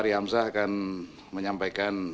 ari hamzah akan menyampaikan